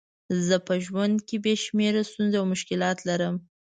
زه په ژوند کې بې شمېره ستونزې او مشکلات لرم.